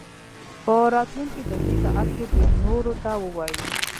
په راتلونکي درسي ساعت کې دې نورو ته ووايي.